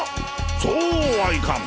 そうはいかん。